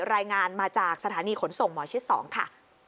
รายงานมาจากสถานีขนส่งหมอชิด๒ค่ะ